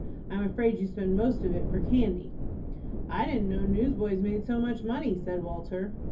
"I'm afraid you spend most of it for candy." "I didn't know newsboys made so much money," said Walter.